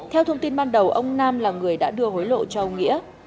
theo thông tin ban đầu ông nam là người đã đưa hối lộ cho ông nghĩa